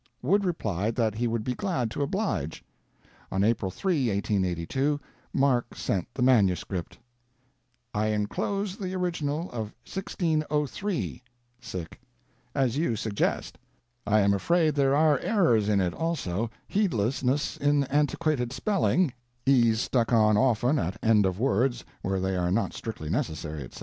Wood replied that he would be glad to oblige. On April 3, 1882, Mark sent the manuscript: "I enclose the original of 1603 as you suggest. I am afraid there are errors in it, also, heedlessness in antiquated spelling e's stuck on often at end of words where they are not strictly necessary, etc.....